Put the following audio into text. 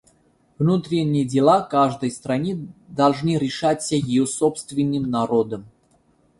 Внутренние дела каждой страны должны решаться ее собственным народом.